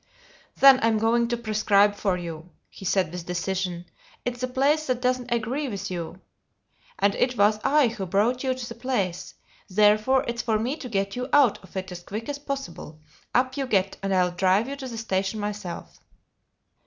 "Then I'm going to prescribe for you," he said with decision. "It's the place that doesn't agree with you, and it was I who brought you to the place; therefore it's for me to get you out of it as quick as possible. Up you get, and I'll drive you to the station myself!"